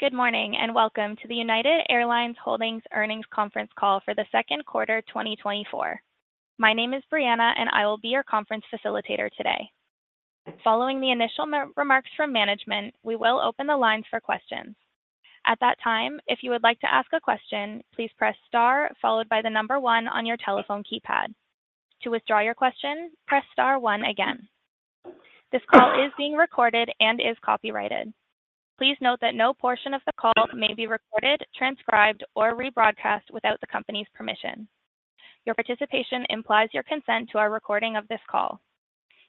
Good morning, and welcome to the United Airlines Holdings Earnings Conference Call for the second quarter 2024. My name is Brianna, and I will be your conference facilitator today. Following the initial remarks from management, we will open the lines for questions. At that time, if you would like to ask a question, please press star followed by the number one on your telephone keypad. To withdraw your question, press star one again. This call is being recorded and is copyrighted. Please note that no portion of the call may be recorded, transcribed, or rebroadcast without the company's permission. Your participation implies your consent to our recording of this call.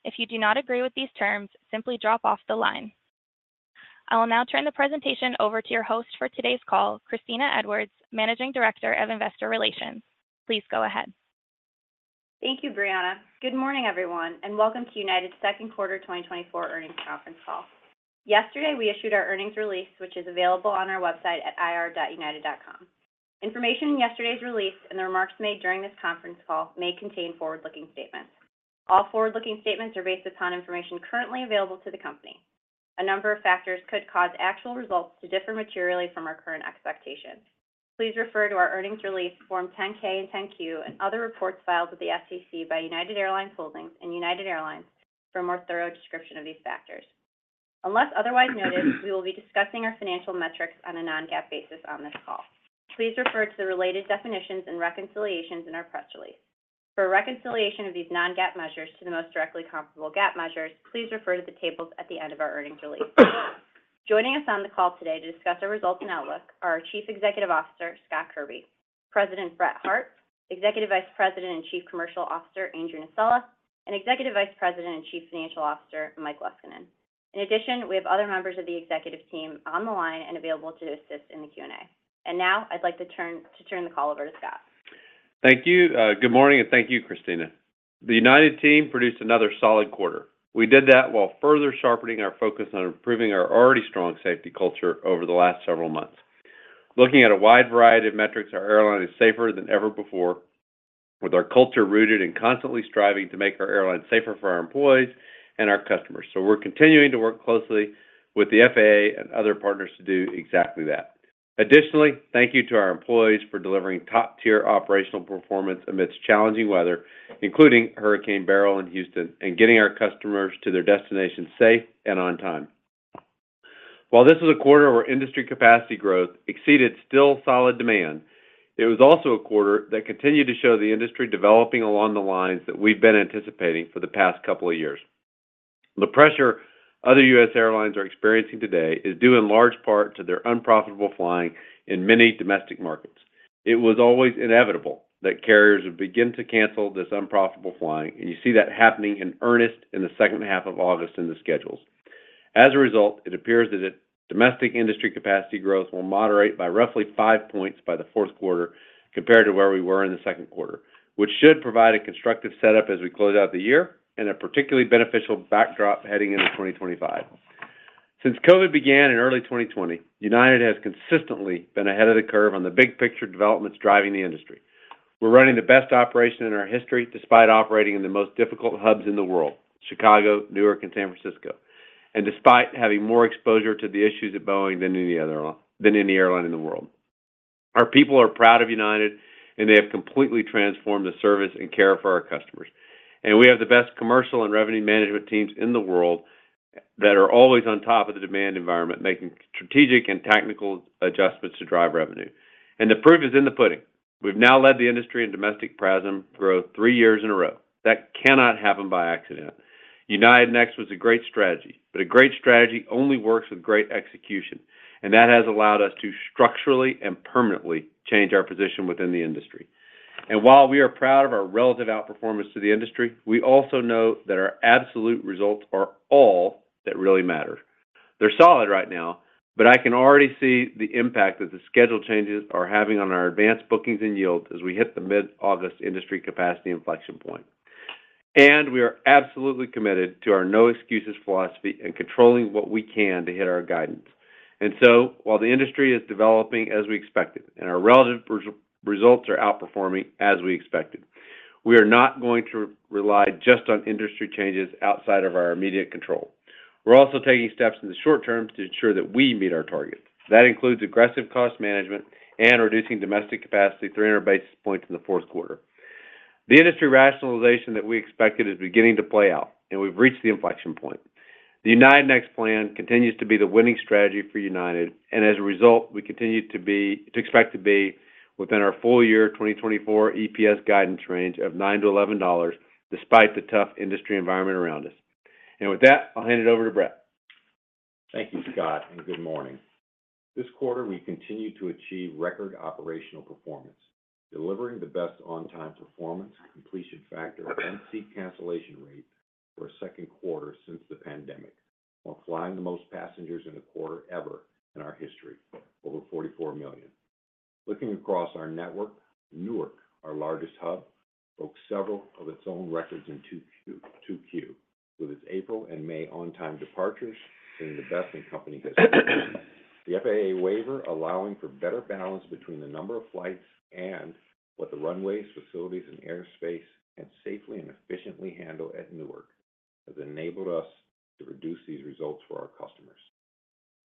If you do not agree with these terms, simply drop off the line. I will now turn the presentation over to your host for today's call, Kristina Edwards, Managing Director of Investor Relations. Please go ahead. Thank you, Brianna. Good morning, everyone, and welcome to United's second quarter 2024 earnings conference call. Yesterday, we issued our earnings release, which is available on our website at ir.united.com. Information in yesterday's release and the remarks made during this conference call may contain forward-looking statements. All forward-looking statements are based upon information currently available to the company. A number of factors could cause actual results to differ materially from our current expectations. Please refer to our earnings release, Form 10-K and 10-Q and other reports filed with the SEC by United Airlines Holdings and United Airlines for a more thorough description of these factors. Unless otherwise noted, we will be discussing our financial metrics on a non-GAAP basis on this call. Please refer to the related definitions and reconciliations in our press release. For a reconciliation of these non-GAAP measures to the most directly comparable GAAP measures, please refer to the tables at the end of our earnings release. Joining us on the call today to discuss our results and outlook are our Chief Executive Officer, Scott Kirby, President, Brett Hart, Executive Vice President and Chief Commercial Officer, Andrew Nocella, and Executive Vice President and Chief Financial Officer, Mike Leskinen. In addition, we have other members of the executive team on the line and available to assist in the Q&A. And now, I'd like to turn the call over to Scott. Thank you. Good morning, and thank you, Kristina. The United team produced another solid quarter. We did that while further sharpening our focus on improving our already strong safety culture over the last several months. Looking at a wide variety of metrics, our airline is safer than ever before, with our culture rooted and constantly striving to make our airline safer for our employees and our customers. So we're continuing to work closely with the FAA and other partners to do exactly that. Additionally, thank you to our employees for delivering top-tier operational performance amidst challenging weather, including Hurricane Beryl in Houston, and getting our customers to their destinations safe and on time. While this is a quarter where industry capacity growth exceeded still solid demand, it was also a quarter that continued to show the industry developing along the lines that we've been anticipating for the past couple of years. The pressure other U.S. airlines are experiencing today is due in large part to their unprofitable flying in many domestic markets. It was always inevitable that carriers would begin to cancel this unprofitable flying, and you see that happening in earnest in the second half of August in the schedules. As a result, it appears that the domestic industry capacity growth will moderate by roughly five points by the fourth quarter compared to where we were in the second quarter, which should provide a constructive setup as we close out the year and a particularly beneficial backdrop heading into 2025. Since COVID began in early 2020, United has consistently been ahead of the curve on the big picture developments driving the industry. We're running the best operation in our history, despite operating in the most difficult hubs in the world, Chicago, Newark, and San Francisco, and despite having more exposure to the issues at Boeing than any other airline in the world. Our people are proud of United, and they have completely transformed the service and care for our customers. We have the best commercial and revenue management teams in the world that are always on top of the demand environment, making strategic and tactical adjustments to drive revenue. The proof is in the pudding. We've now led the industry in domestic PRASM growth three years in a row. That cannot happen by accident. United Next was a great strategy, but a great strategy only works with great execution, and that has allowed us to structurally and permanently change our position within the industry. While we are proud of our relative outperformance to the industry, we also know that our absolute results are all that really matter. They're solid right now, but I can already see the impact that the schedule changes are having on our advance bookings and yields as we hit the mid-August industry capacity inflection point. We are absolutely committed to our no-excuses philosophy and controlling what we can to hit our guidance. So, while the industry is developing as we expected and our relative results are outperforming as we expected, we are not going to rely just on industry changes outside of our immediate control. We're also taking steps in the short term to ensure that we meet our targets. That includes aggressive cost management and reducing domestic capacity 300 basis points in the fourth quarter. The industry rationalization that we expected is beginning to play out, and we've reached the inflection point. The United Next plan continues to be the winning strategy for United, and as a result, we continue to expect to be within our full year 2024 EPS guidance range of $9-$11, despite the tough industry environment around us. And with that, I'll hand it over to Brett. Thank you, Scott, and good morning. This quarter, we continued to achieve record operational performance, delivering the best on-time performance, completion factor, and seat cancellation rate for a second quarter since the pandemic, while flying the most passengers in a quarter ever in our history, over 44 million. Looking across our network, Newark, our largest hub, broke several of its own records in 2Q, with its April and May on-time departures being the best in company history. The FAA slot waiver allowing for better balance between the number of flights and what the runways, facilities, and airspace can safely and efficiently handle at Newark, has enabled us to reduce these results for our customers.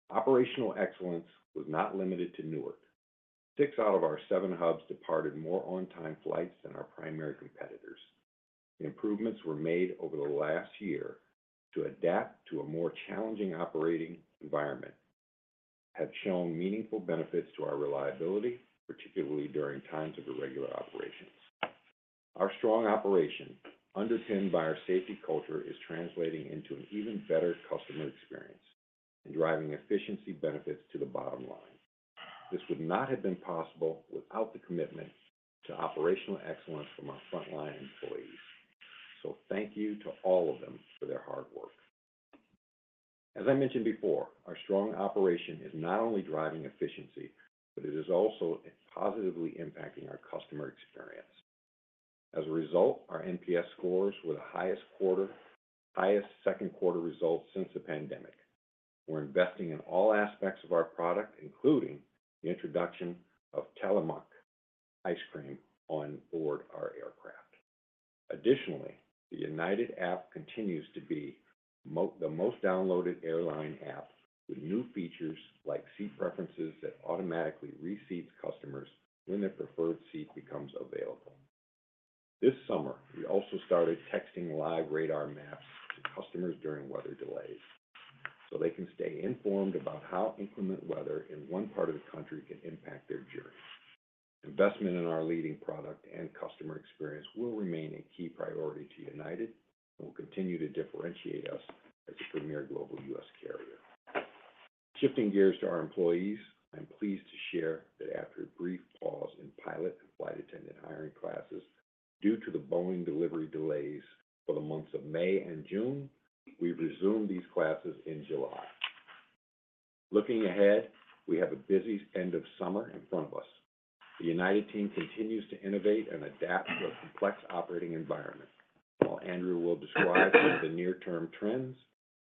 Operational excellence was not limited to Newark. Six out of our seven hubs departed more on-time flights than our primary competitors. Improvements were made over the last year to adapt to a more challenging operating environment, have shown meaningful benefits to our reliability, particularly during times of irregular operations. Our strong operation, underpinned by our safety culture, is translating into an even better customer experience and driving efficiency benefits to the bottom line. This would not have been possible without the commitment to operational excellence from our frontline employees. Thank you to all of them for their hard work. As I mentioned before, our strong operation is not only driving efficiency, but it is also positively impacting our customer experience. As a result, our NPS scores were the highest second quarter results since the pandemic. We're investing in all aspects of our product, including the introduction of Tillamook ice cream on board our aircraft. Additionally, the United app continues to be the most downloaded airline app, with new features like Seat Preferences that automatically reseats customers when their preferred seat becomes available. This summer, we also started texting live radar maps to customers during weather delays, so they can stay informed about how inclement weather in one part of the country can impact their journey. Investment in our leading product and customer experience will remain a key priority to United and will continue to differentiate us as a premier global U.S. carrier. Shifting gears to our employees, I'm pleased to share that after a brief pause in pilot and flight attendant hiring classes due to the Boeing delivery delays for the months of May and June, we've resumed these classes in July. Looking ahead, we have a busy end of summer in front of us. The United team continues to innovate and adapt to a complex operating environment. While Andrew will describe the near-term trends,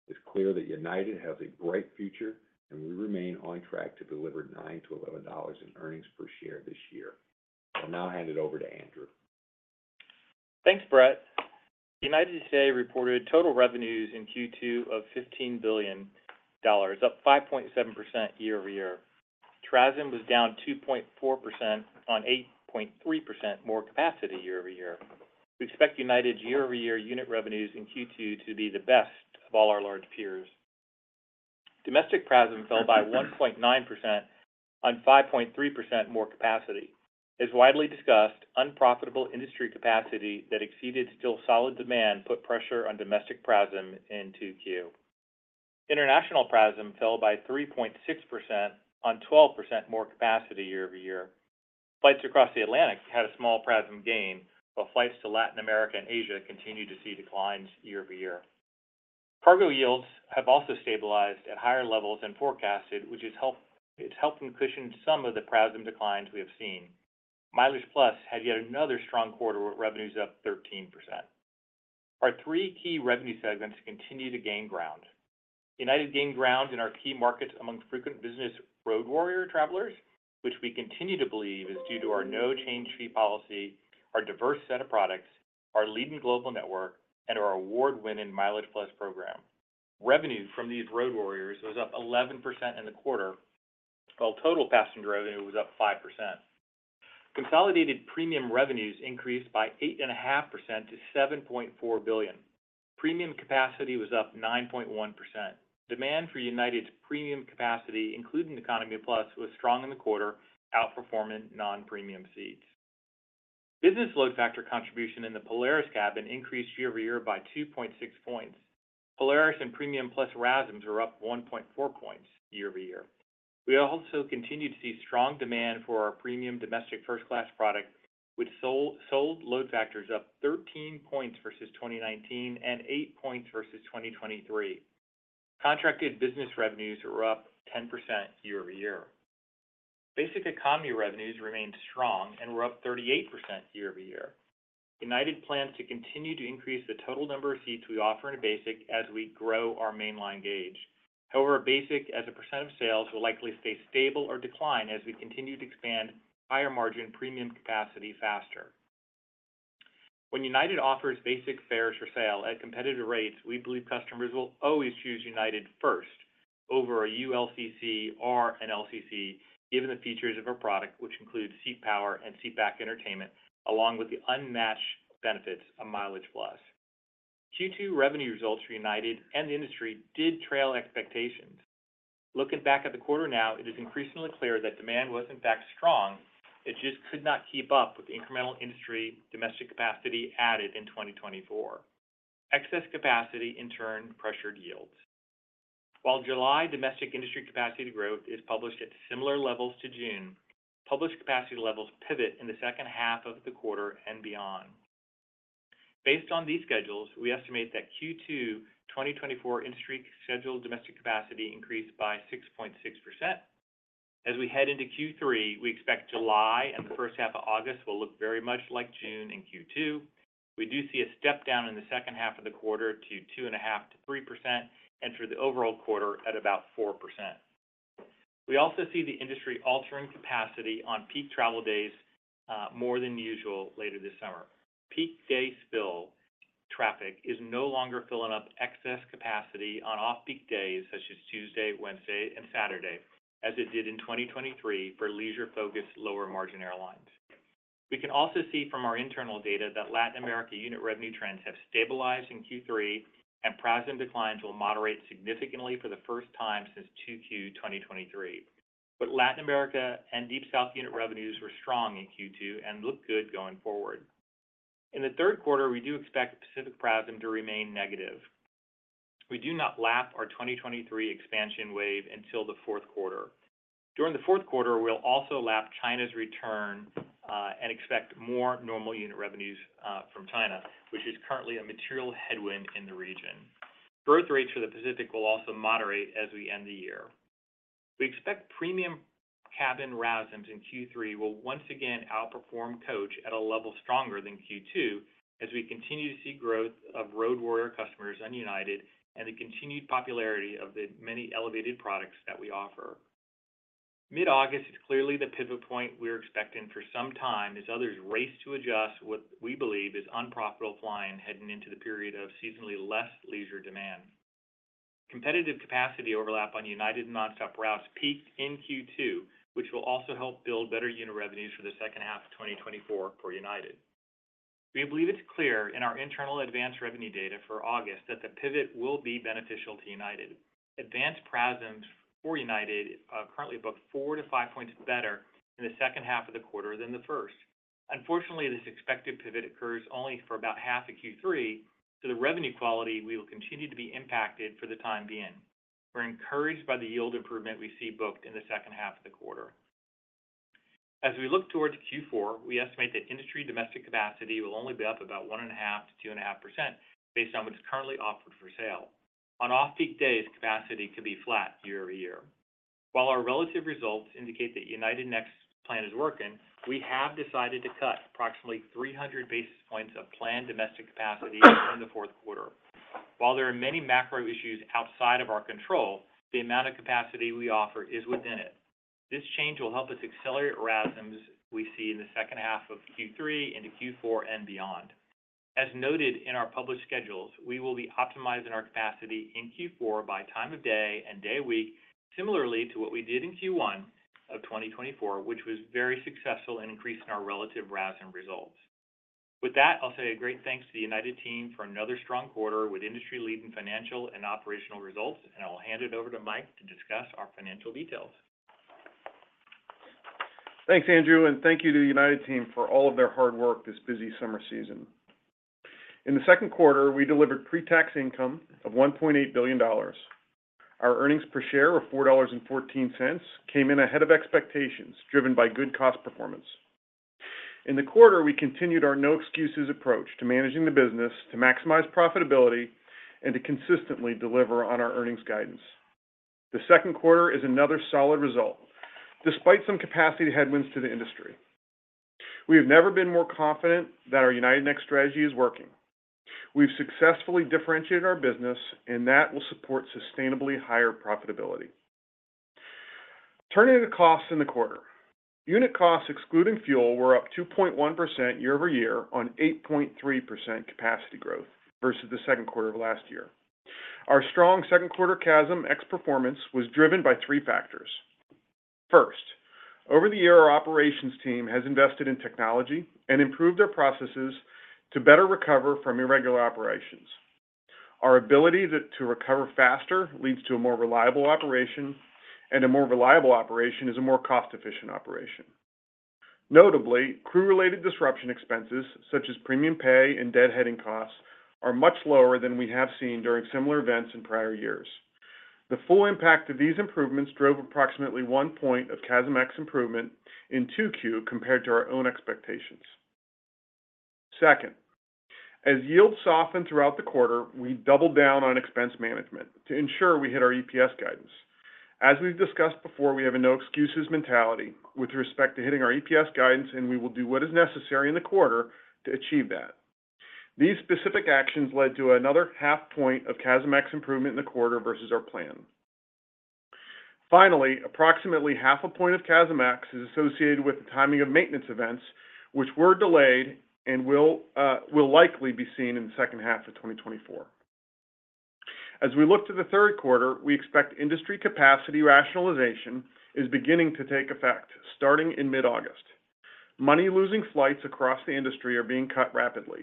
it's clear that United has a bright future, and we remain on track to deliver $9-$11 in earnings per share this year. I'll now hand it over to Andrew. Thanks, Brett. United today reported total revenues in Q2 of $15 billion, up 5.7% year-over-year. PRASM was down 2.4% on 8.3% more capacity year-over-year. We expect United year-over-year unit revenues in Q2 to be the best of all our large peers. Domestic PRASM fell by 1.9% on 5.3% more capacity. As widely discussed, unprofitable industry capacity that exceeded still solid demand put pressure on domestic PRASM in Q2. International PRASM fell by 3.6% on 12% more capacity year-over-year. Flights across the Atlantic had a small PRASM gain, while flights to Latin America and Asia continued to see declines year-over-year. Cargo yields have also stabilized at higher levels than forecasted, which has helped, it's helped cushion some of the PRASM declines we have seen. MileagePlus had yet another strong quarter, with revenues up 13%. Our three key revenue segments continue to gain ground. United gained ground in our key markets among frequent business road warrior travelers, which we continue to believe is due to our no change fee policy, our diverse set of products, our leading global network, and our award-winning MileagePlus program. Revenue from these road warriors was up 11% in the quarter, while total passenger revenue was up 5%. Consolidated premium revenues increased by 8.5% to $7.4 billion. Premium capacity was up 9.1%. Demand for United's premium capacity, including Economy Plus, was strong in the quarter, outperforming non-premium seats. Business load factor contribution in the Polaris cabin increased year-over-year by 2.6 points. Polaris and Premium Plus PRASMs were up 1.4 points year-over-year. We also continued to see strong demand for our premium domestic first class product, which sold load factors up 13 points versus 2019 and 8 points versus 2023. Contracted business revenues were up 10% year-over-year. Basic Economy revenues remained strong and were up 38% year-over-year. United plans to continue to increase the total number of seats we offer in Basic as we grow our mainline gauge. However, Basic, as a percent of sales, will likely stay stable or decline as we continue to expand higher-margin premium capacity faster. When United offers basic fares for sale at competitive rates, we believe customers will always choose United first over a ULCC or an LCC, given the features of our product, which include seat power and seat back entertainment, along with the unmatched benefits of MileagePlus. Q2 revenue results for United and the industry did trail expectations. Looking back at the quarter now, it is increasingly clear that demand was in fact strong, it just could not keep up with the incremental industry domestic capacity added in 2024. Excess capacity in turn pressured yields. While July domestic industry capacity growth is published at similar levels to June, published capacity levels pivot in the second half of the quarter and beyond. Based on these schedules, we estimate that Q2 2024 industry scheduled domestic capacity increased by 6.6%. As we head into Q3, we expect July and the first half of August will look very much like June and Q2. We do see a step down in the second half of the quarter to 2.5%-3%, and for the overall quarter at about 4%. We also see the industry altering capacity on peak travel days more than usual later this summer. Peak day spill traffic is no longer filling up excess capacity on off-peak days, such as Tuesday, Wednesday, and Saturday, as it did in 2023 for leisure-focused, lower-margin airlines. We can also see from our internal data that Latin America unit revenue trends have stabilized in Q3, and PRASM declines will moderate significantly for the first time since 2Q 2023. But Latin America and Deep South unit revenues were strong in Q2 and look good going forward. In the third quarter, we do expect Pacific PRASM to remain negative. We do not lap our 2023 expansion wave until the fourth quarter. During the fourth quarter, we'll also lap China's return, and expect more normal unit revenues, from China, which is currently a material headwind in the region. Growth rates for the Pacific will also moderate as we end the year. We expect premium cabin RASMs in Q3 will once again outperform coach at a level stronger than Q2 as we continue to see growth of road warrior customers on United, and the continued popularity of the many elevated products that we offer. Mid-August is clearly the pivot point we're expecting for some time, as others race to adjust what we believe is unprofitable flying heading into the period of seasonally less leisure demand. Competitive capacity overlap on United nonstop routes peaked in Q2, which will also help build better unit revenues for the second half of 2024 for United. We believe it's clear in our internal advance revenue data for August that the pivot will be beneficial to United. Advance PRASMs for United are currently about 4-5 points better in the second half of the quarter than the first. Unfortunately, this expected pivot occurs only for about half of Q3, so the revenue quality will continue to be impacted for the time being. We're encouraged by the yield improvement we see booked in the second half of the quarter. As we look towards Q4, we estimate that industry domestic capacity will only be up about 1.5%-2.5%, based on what is currently offered for sale. On off-peak days, capacity could be flat year-over-year. While our relative results indicate that United Next plan is working, we have decided to cut approximately 300 basis points of planned domestic capacity in the fourth quarter. While there are many macro issues outside of our control, the amount of capacity we offer is within it. This change will help us accelerate RASMs we see in the second half of Q3 into Q4 and beyond. As noted in our published schedules, we will be optimizing our capacity in Q4 by time of day and day of week, similarly to what we did in Q1 of 2024, which was very successful in increasing our relative RASM results. With that, I'll say a great thanks to the United team for another strong quarter with industry-leading financial and operational results, and I will hand it over to Mike to discuss our financial details. Thanks, Andrew, and thank you to the United team for all of their hard work this busy summer season. In the second quarter, we delivered pre-tax income of $1.8 billion. Our earnings per share of $4.14 came in ahead of expectations, driven by good cost performance. In the quarter, we continued our no-excuses approach to managing the business, to maximize profitability and to consistently deliver on our earnings guidance. The second quarter is another solid result, despite some capacity headwinds to the industry. We have never been more confident that our United Next strategy is working. We've successfully differentiated our business, and that will support sustainably higher profitability. Turning to costs in the quarter. Unit costs, excluding fuel, were up 2.1% year-over-year on 8.3% capacity growth versus the second quarter of last year. Our strong second quarter CASM ex performance was driven by three factors. First, over the year, our operations team has invested in technology and improved their processes to better recover from irregular operations. Our ability to recover faster leads to a more reliable operation, and a more reliable operation is a more cost-efficient operation. Notably, crew-related disruption expenses, such as premium pay and deadheading costs, are much lower than we have seen during similar events in prior years. The full impact of these improvements drove approximately one point of CASM ex improvement in 2Q compared to our own expectations. Second, as yields softened throughout the quarter, we doubled down on expense management to ensure we hit our EPS guidance. As we've discussed before, we have a no-excuses mentality with respect to hitting our EPS guidance, and we will do what is necessary in the quarter to achieve that. These specific actions led to another half point of CASM ex improvement in the quarter versus our plan. Finally, approximately half a point of CASM ex is associated with the timing of maintenance events, which were delayed and will likely be seen in the second half of 2024. As we look to the third quarter, we expect industry capacity rationalization is beginning to take effect starting in mid-August. Money-losing flights across the industry are being cut rapidly,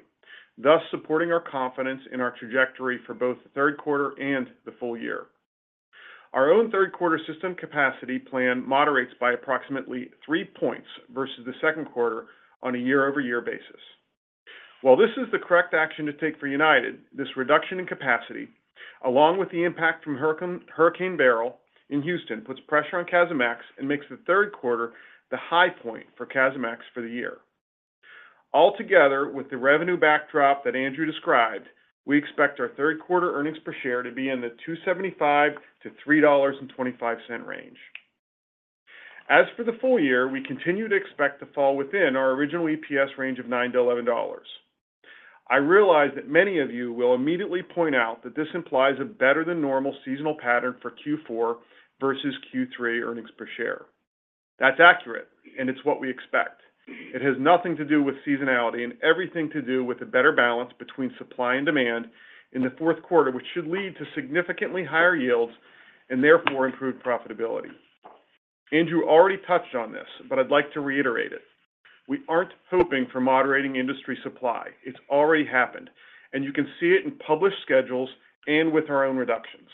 thus supporting our confidence in our trajectory for both the third quarter and the full year. Our own third quarter system capacity plan moderates by approximately three points versus the second quarter on a year-over-year basis. While this is the correct action to take for United, this reduction in capacity, along with the impact from Hurricane Beryl in Houston, puts pressure on CASM ex and makes the third quarter the high point for CASM ex for the year. Altogether, with the revenue backdrop that Andrew described, we expect our third quarter earnings per share to be in the $2.75-$3.25 range. As for the full year, we continue to expect to fall within our original EPS range of $9-$11. I realize that many of you will immediately point out that this implies a better than normal seasonal pattern for Q4 versus Q3 earnings per share. That's accurate, and it's what we expect. It has nothing to do with seasonality and everything to do with a better balance between supply and demand in the fourth quarter, which should lead to significantly higher yields and therefore improved profitability. Andrew already touched on this, but I'd like to reiterate it: we aren't hoping for moderating industry supply. It's already happened, and you can see it in published schedules and with our own reductions.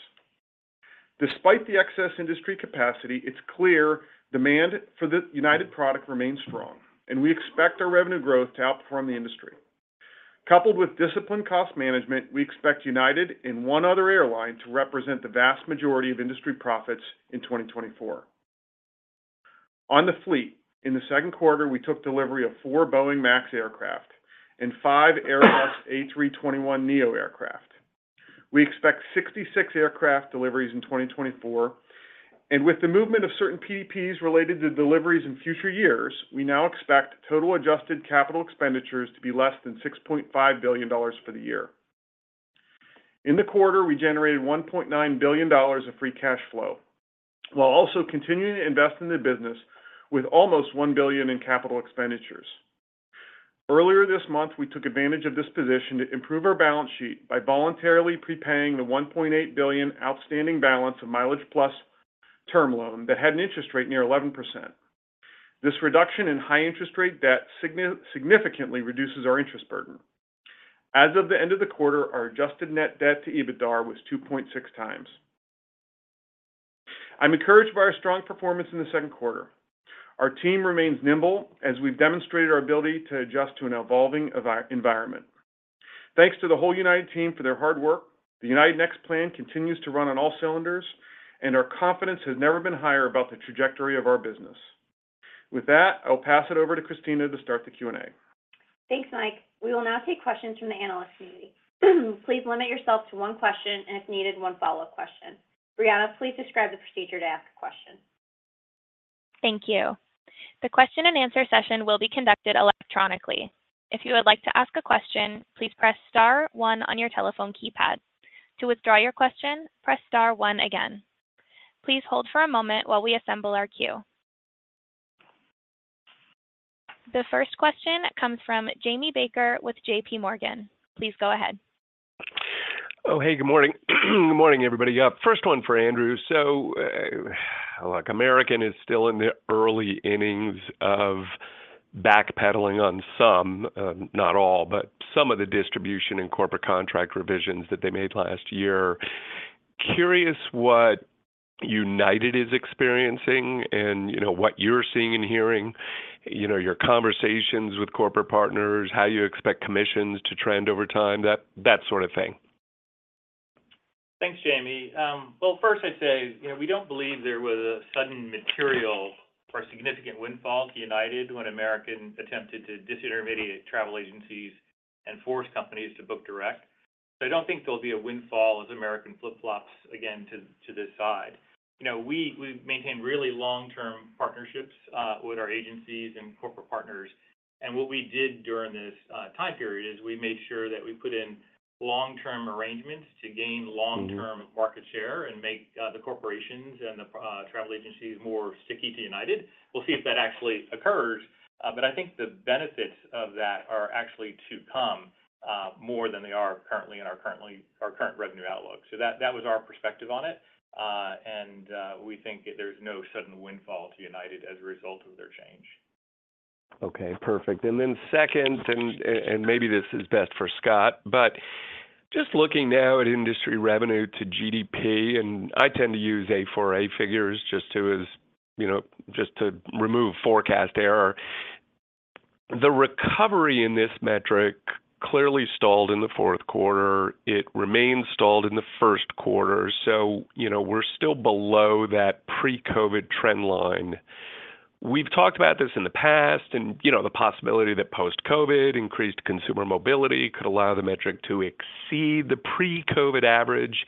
Despite the excess industry capacity, it's clear demand for the United product remains strong, and we expect our revenue growth to outperform the industry. Coupled with disciplined cost management, we expect United and one other airline to represent the vast majority of industry profits in 2024. On the fleet, in the second quarter, we took delivery of 4 Boeing MAX aircraft and 5 Airbus A321neo aircraft. We expect 66 aircraft deliveries in 2024, and with the movement of certain PDPs related to deliveries in future years, we now expect total adjusted capital expenditures to be less than $6.5 billion for the year. In the quarter, we generated $1 billion of free cash flow, while also continuing to invest in the business with almost $1 billion in capital expenditures. Earlier this month, we took advantage of this position to improve our balance sheet by voluntarily prepaying the $1.8 billion outstanding balance of MileagePlus term loan that had an interest rate near 11%. This reduction in high interest rate debt significantly reduces our interest burden. As of the end of the quarter, our adjusted net debt to EBITDAR was 2.6 times. I'm encouraged by our strong performance in the second quarter. Our team remains nimble as we've demonstrated our ability to adjust to an evolving environment. Thanks to the whole United team for their hard work. The United Next plan continues to run on all cylinders, and our confidence has never been higher about the trajectory of our business. With that, I'll pass it over to Kristina to start the Q&A. Thanks, Mike. We will now take questions from the analyst community. Please limit yourself to one question, and if needed, one follow-up question. Brianna, please describe the procedure to ask a question. Thank you. The question and answer session will be conducted electronically. If you would like to ask a question, please press star one on your telephone keypad. To withdraw your question, press star one again. Please hold for a moment while we assemble our queue. The first question comes from Jamie Baker with J.P. Morgan. Please go ahead. Oh, hey, good morning. Good morning, everybody. First one for Andrew. So, like, American is still in the early innings of backpedaling on some, not all, but some of the distribution and corporate contract revisions that they made last year. Curious what United is experiencing and, you know, what you're seeing and hearing, you know, your conversations with corporate partners, how you expect commissions to trend over time, that sort of thing. Thanks, Jamie. Well, first I'd say, you know, we don't believe there was a sudden material or a significant windfall to United when American attempted to disintermediate travel agencies and force companies to book direct. So I don't think there'll be a windfall as American flip-flops again to, to this side. You know, we, we maintain really long-term partnerships, with our agencies and corporate partners, and what we did during this, time period is we made sure that we put in long-term arrangements to gain long-term-... market share and make the corporations and the travel agencies more sticky to United. We'll see if that actually occurs, but I think the benefits of that are actually to come more than they are currently in our current revenue outlook. So that, that was our perspective on it. And we think there's no sudden windfall to United as a result of their change. Okay, perfect. And then second, and maybe this is best for Scott, but just looking now at industry revenue to GDP, and I tend to use A4A figures just to, you know, just to remove forecast error. The recovery in this metric clearly stalled in the fourth quarter. It remains stalled in the first quarter. So, you know, we're still below that pre-COVID trend line. We've talked about this in the past and, you know, the possibility that post-COVID increased consumer mobility could allow the metric to exceed the pre-COVID average.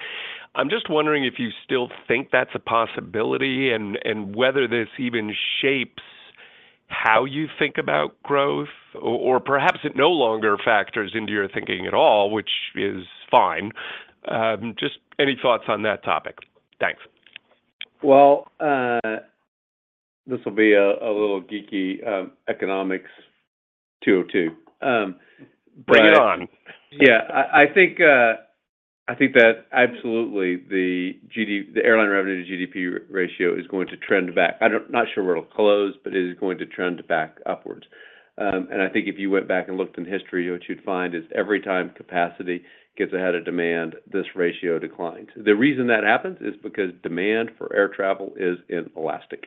I'm just wondering if you still think that's a possibility and whether this even shapes how you think about growth, or perhaps it no longer factors into your thinking at all, which is fine. Just any thoughts on that topic? Thanks. Well, this will be a little geeky, Economics 202. But- Bring it on. Yeah, I think that absolutely the airline revenue to GDP ratio is going to trend back. Not sure where it'll close, but it is going to trend back upwards. And I think if you went back and looked in history, what you'd find is every time capacity gets ahead of demand, this ratio declines. The reason that happens is because demand for air travel is inelastic.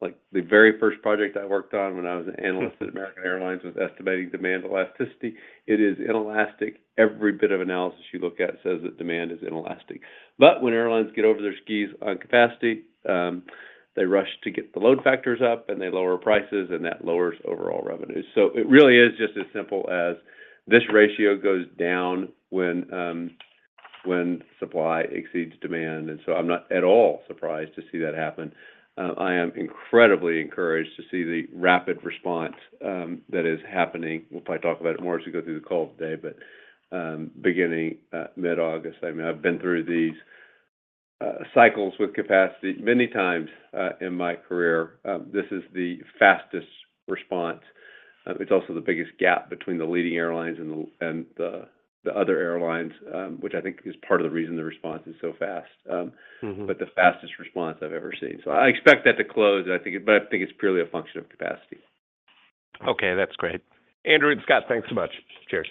Like, the very first project I worked on when I was an analyst-... at American Airlines, was estimating demand elasticity. It is inelastic. Every bit of analysis you look at says that demand is inelastic. But when airlines get over their skis on capacity, they rush to get the load factors up, and they lower prices, and that lowers overall revenues. So it really is just as simple as this ratio goes down when,... when supply exceeds demand, and so I'm not at all surprised to see that happen. I am incredibly encouraged to see the rapid response that is happening. We'll probably talk about it more as we go through the call today, but beginning mid-August, I mean, I've been through these cycles with capacity many times in my career. This is the fastest response. It's also the biggest gap between the leading airlines and the other airlines, which I think is part of the reason the response is so fast. But the fastest response I've ever seen. So I expect that to close, and I think, but I think it's purely a function of capacity. Okay, that's great. Andrew and Scott, thanks so much. Cheers.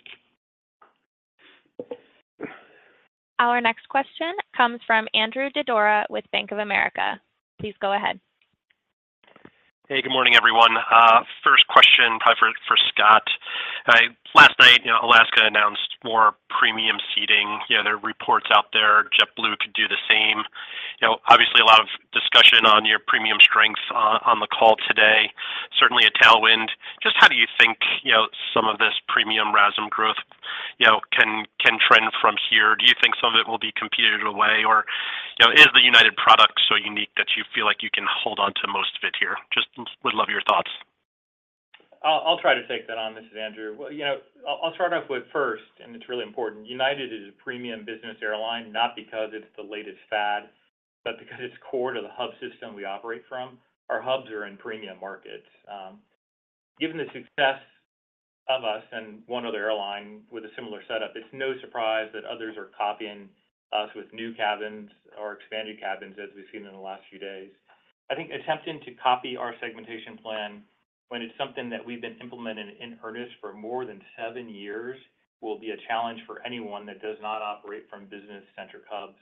Our next question comes from Andrew Didora with Bank of America. Please go ahead. Hey, good morning, everyone. First question, probably for Scott. Last night, you know, Alaska announced more premium seating. You know, there are reports out there JetBlue could do the same. You know, obviously, a lot of discussion on your premium strength on the call today, certainly a tailwind. Just how do you think, you know, some of this premium RASM growth, you know, can trend from here? Do you think some of it will be competed away, or, you know, is the United product so unique that you feel like you can hold on to most of it here? Just would love your thoughts. I'll try to take that on. This is Andrew. Well, you know, I'll start off with first, and it's really important. United is a premium business airline, not because it's the latest fad, but because it's core to the hub system we operate from. Our hubs are in premium markets. Given the success of us and one other airline with a similar setup, it's no surprise that others are copying us with new cabins or expanded cabins, as we've seen in the last few days. I think attempting to copy our segmentation plan when it's something that we've been implementing in earnest for more than seven years, will be a challenge for anyone that does not operate from business-centric hubs.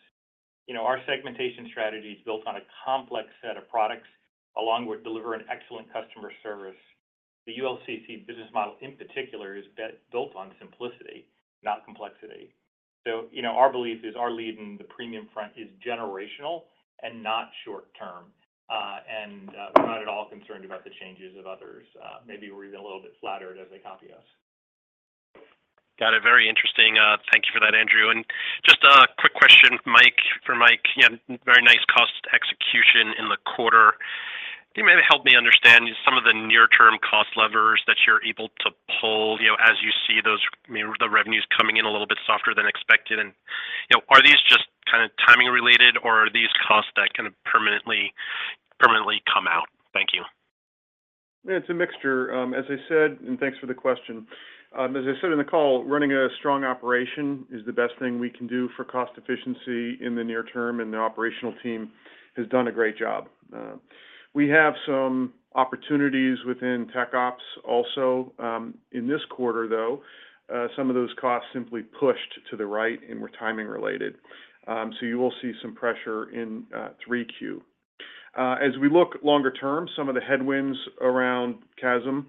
You know, our segmentation strategy is built on a complex set of products, along with delivering excellent customer service. The ULCC business model, in particular, is built on simplicity, not complexity. So, you know, our belief is our lead in the premium front is generational and not short term, and we're not at all concerned about the changes of others. Maybe we're even a little bit flattered as they copy us. Got it. Very interesting. Thank you for that, Andrew. Just a quick question, Mike, for Mike. You know, very nice cost execution in the quarter. Can you maybe help me understand some of the near-term cost levers that you're able to pull, you know, as you see those, I mean, the revenues coming in a little bit softer than expected? And, you know, are these just kind of timing related, or are these costs that can permanently, permanently come out? Thank you. It's a mixture. As I said... Thanks for the question. As I said in the call, running a strong operation is the best thing we can do for cost efficiency in the near term, and the operational team has done a great job. We have some opportunities within Tech Ops also. In this quarter, though, some of those costs simply pushed to the right and were timing related. You will see some pressure in 3Q. As we look longer term, some of the headwinds around CASM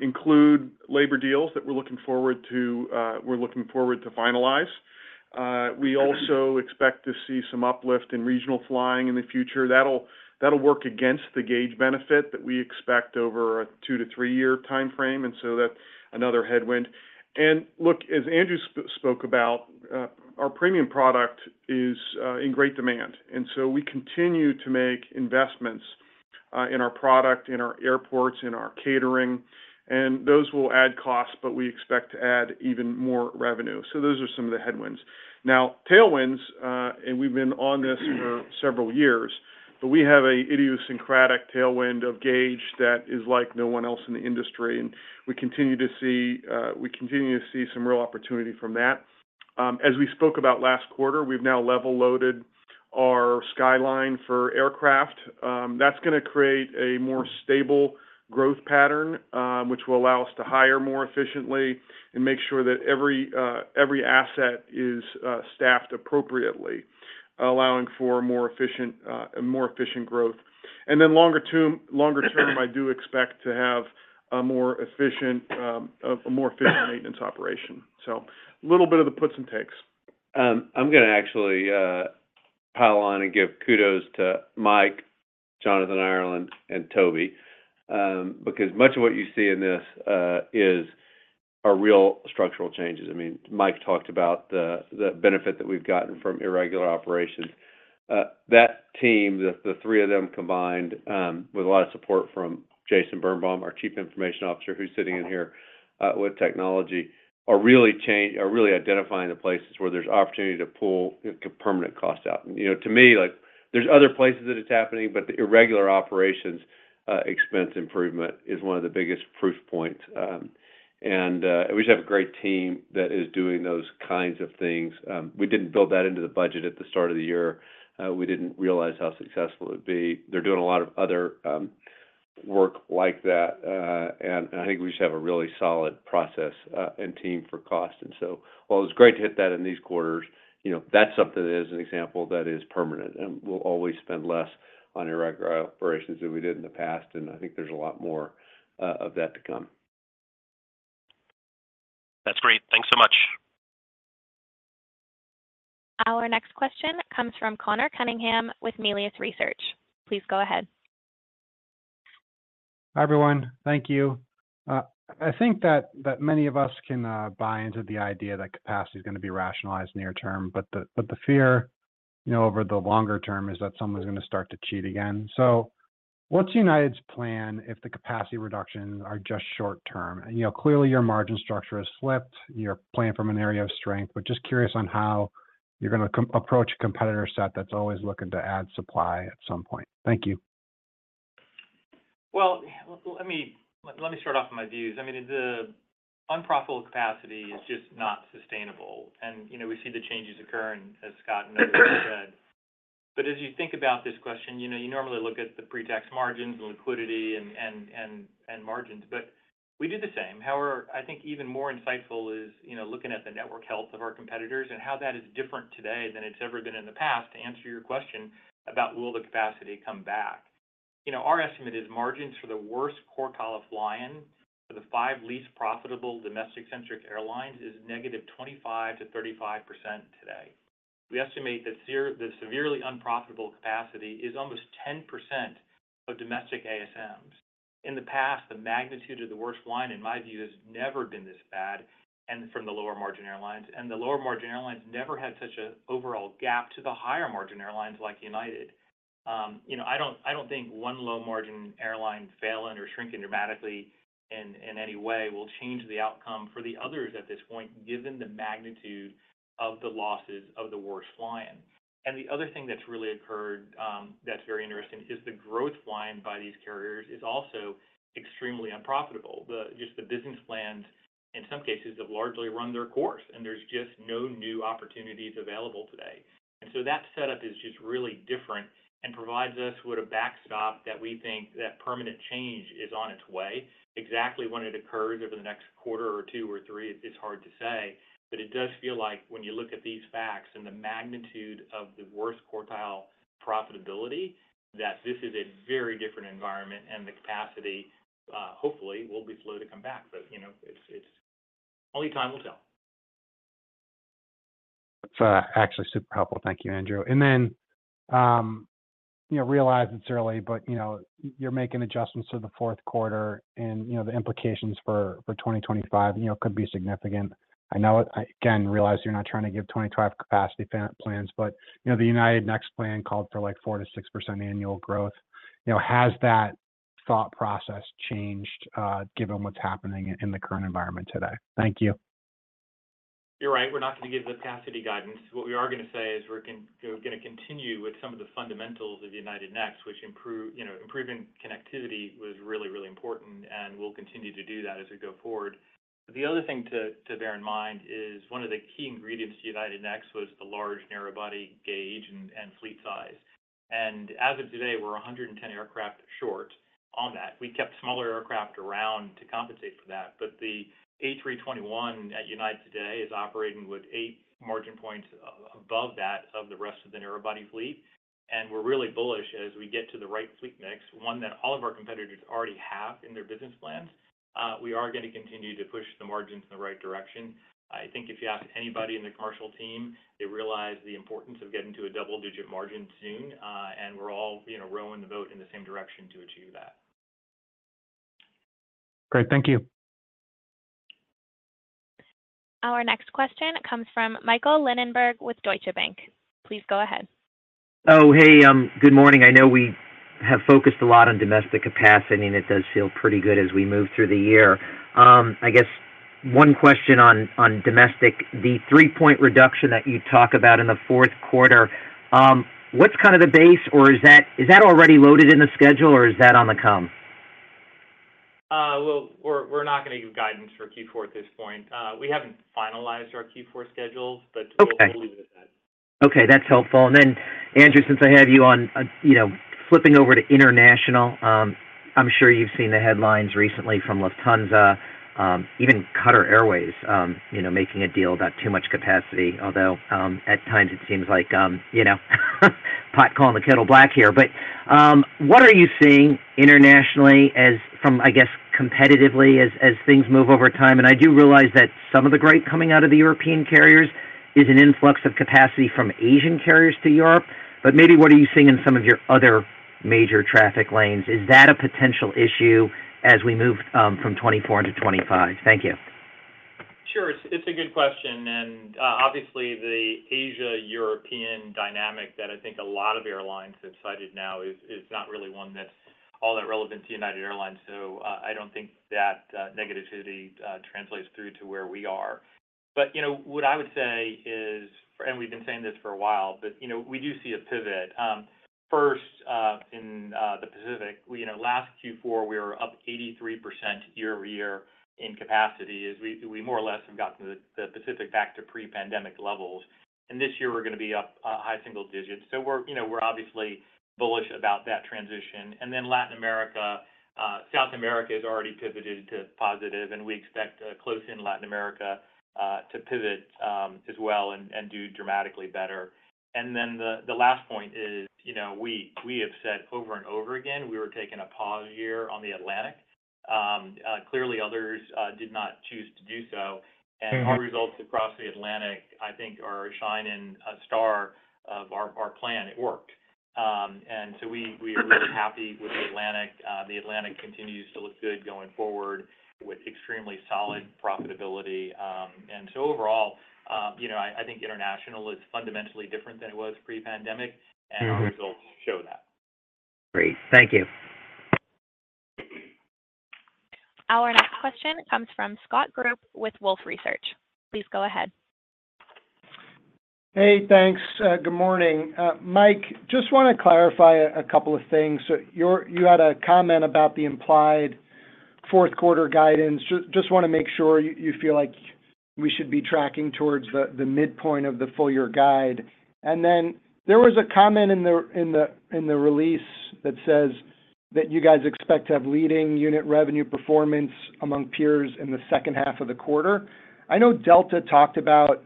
include labor deals that we're looking forward to finalize. We also expect to see some uplift in regional flying in the future. That'll work against the gauge benefit that we expect over a two to three-year timeframe, and so that's another headwind. Look, as Andrew spoke about, our premium product is in great demand, and so we continue to make investments in our product, in our airports, in our catering, and those will add costs, but we expect to add even more revenue. So those are some of the headwinds. Now, tailwinds, and we've been on this for several years, but we have a idiosyncratic tailwind of gauge that is like no one else in the industry, and we continue to see some real opportunity from that. As we spoke about last quarter, we've now level-loaded our supply line for aircraft. That's gonna create a more stable growth pattern, which will allow us to hire more efficiently and make sure that every asset is staffed appropriately, allowing for more efficient growth. And then longer term, I do expect to have a more efficient maintenance operation. So a little bit of the puts and takes. I'm gonna actually pile on and give kudos to Mike, Jonathan Ireland, and Toby because much of what you see in this is a real structural changes. I mean, Mike talked about the benefit that we've gotten from irregular operations. That team, the three of them combined with a lot of support from Jason Birnbaum, our Chief Information Officer, who's sitting in here with technology, are really identifying the places where there's opportunity to pull permanent costs out. You know, to me, like, there's other places that it's happening, but the irregular operations expense improvement is one of the biggest proof points. And we just have a great team that is doing those kinds of things. We didn't build that into the budget at the start of the year. We didn't realize how successful it would be. They're doing a lot of other work like that, and I think we just have a really solid process and team for cost. And so while it's great to hit that in these quarters, you know, that's something that is an example that is permanent, and we'll always spend less on irregular operations than we did in the past, and I think there's a lot more of that to come. That's great. Thanks so much. Our next question comes from Conor Cunningham with Melius Research. Please go ahead.... Hi, everyone. Thank you. I think that, that many of us can buy into the idea that capacity is gonna be rationalized near term, but the, but the fear, you know, over the longer term is that someone's gonna start to cheat again. So what's United's plan if the capacity reductions are just short term? You know, clearly, your margin structure has slipped. You're playing from an area of strength, but just curious on how you're gonna approach a competitor set that's always looking to add supply at some point. Thank you. Well, let me start off with my views. I mean, the unprofitable capacity is just not sustainable, and, you know, we see the changes occurring, as Scott and others have said. But as you think about this question, you know, you normally look at the pre-tax margins, liquidity, and margins, but we did the same. However, I think even more insightful is, you know, looking at the network health of our competitors and how that is different today than it's ever been in the past, to answer your question about will the capacity come back. You know, our estimate is margins for the worst quartile of flying for the five least profitable domestic-centric airlines is negative 25%-35% today. We estimate that the severely unprofitable capacity is almost 10% of domestic ASMs. In the past, the magnitude of the worst line, in my view, has never been this bad, and from the lower margin airlines. The lower margin airlines never had such a overall gap to the higher margin airlines like United. You know, I don't think one low margin airline failing or shrinking dramatically in any way will change the outcome for the others at this point, given the magnitude of the losses of the worst flying. The other thing that's really occurred, that's very interesting, is the growth flying by these carriers is also extremely unprofitable. Just the business plans, in some cases, have largely run their course, and there's just no new opportunities available today. So that setup is just really different and provides us with a backstop that we think that permanent change is on its way. Exactly when it occurs over the next quarter or two or three, it's hard to say, but it does feel like when you look at these facts and the magnitude of the worst quartile profitability, that this is a very different environment, and the capacity, hopefully, will be slow to come back. But, you know, it's only time will tell. It's actually super helpful. Thank you, Andrew. And then, you know, realize it's early, but, you know, you're making adjustments to the fourth quarter, and, you know, the implications for 2025 could be significant. I know—I again realize you're not trying to give 2025 capacity plans, but, you know, the United Next plan called for, like, 4%-6% annual growth. You know, has that thought process changed, given what's happening in the current environment today? Thank you. You're right, we're not going to give capacity guidance. What we are gonna say is we're gonna continue with some of the fundamentals of United Next, which, you know, improving connectivity was really, really important, and we'll continue to do that as we go forward. The other thing to bear in mind is one of the key ingredients to United Next was the large narrow body gauge and fleet size. As of today, we're 110 aircraft short on that. We kept smaller aircraft around to compensate for that, but the A321 at United today is operating with 8 margin points above that of the rest of the narrow body fleet, and we're really bullish as we get to the right fleet mix, one that all of our competitors already have in their business plans. We are gonna continue to push the margins in the right direction. I think if you ask anybody in the commercial team, they realize the importance of getting to a double-digit margin soon, and we're all, you know, rowing the boat in the same direction to achieve that. Great. Thank you. Our next question comes from Michael Linenberg with Deutsche Bank. Please go ahead. Oh, hey, good morning. I know we have focused a lot on domestic capacity, and it does feel pretty good as we move through the year. I guess one question on domestic, the 3-point reduction that you talk about in the fourth quarter, what's kind of the base, or is that already loaded in the schedule, or is that on the come? Well, we're not gonna give guidance for Q4 at this point. We haven't finalized our Q4 schedules, but- Okay... we'll leave it at that. Okay, that's helpful. And then, Andrew, since I have you on, you know, flipping over to international, I'm sure you've seen the headlines recently from Lufthansa, even Qatar Airways, you know, making a deal about too much capacity. Although, at times it seems like, you know, pot calling the kettle black here. But, what are you seeing internationally as from, I guess, competitively as things move over time? And I do realize that some of the great coming out of the European carriers is an influx of capacity from Asian carriers to Europe, but maybe what are you seeing in some of your other major traffic lanes? Is that a potential issue as we move from 2024 into 2025? Thank you. Sure. It's a good question, and obviously, the Asia-European dynamic that I think a lot of airlines have cited now is not really one that's all that relevant to United Airlines. So, I don't think that negativity translates through to where we are. But, you know, what I would say is, and we've been saying this for a while, but, you know, we do see a pivot. First, in the Pacific, we, you know, last Q4, we were up 83% year-over-year in capacity, as we more or less have gotten the Pacific back to pre-pandemic levels. And this year we're gonna be up high single digits. So we're, you know, we're obviously bullish about that transition. And then Latin America, South America is already pivoted to positive, and we expect close in Latin America to pivot as well and do dramatically better. And then the last point is, you know, we have said over and over again, we were taking a pause year on the Atlantic. Clearly others did not choose to do so. And our results across the Atlantic, I think are a shining star of our plan. It worked. And so we are really happy with the Atlantic. The Atlantic continues to look good going forward with extremely solid profitability. And so overall, you know, I think international is fundamentally different than it was pre-pandemic, and our results show that. Great. Thank you. Our next question comes from Scott Group with Wolfe Research. Please go ahead. Hey, thanks. Good morning. Mike, just want to clarify a couple of things. So you had a comment about the implied fourth quarter guidance. Just want to make sure you feel like we should be tracking towards the midpoint of the full year guide. And then there was a comment in the release that says that you guys expect to have leading unit revenue performance among peers in the second half of the quarter. I know Delta talked about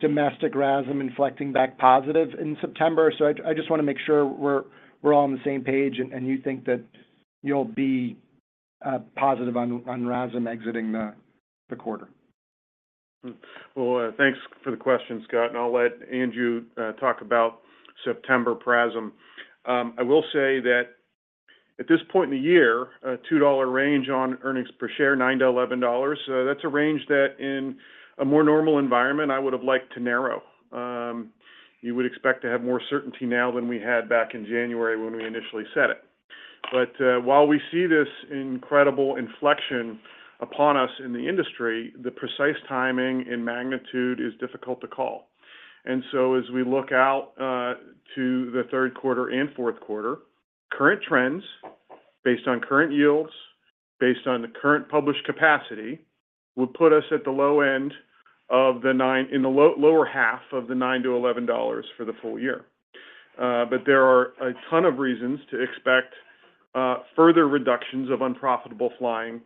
domestic RASM inflecting back positive in September, so I just want to make sure we're all on the same page, and you think that you'll be positive on RASM exiting the quarter. Well, thanks for the question, Scott, and I'll let Andrew talk about September PRASM. I will say that at this point in the year, a $2 range on earnings per share, $9-$11, that's a range that in a more normal environment, I would have liked to narrow. You would expect to have more certainty now than we had back in January when we initially said it. But while we see this incredible inflection upon us in the industry, the precise timing and magnitude is difficult to call. And so as we look out to the third quarter and fourth quarter, current trends, based on current yields, based on the current published capacity, will put us in the lower half of the $9-$11 for the full year. But there are a ton of reasons to expect further reductions of unprofitable flying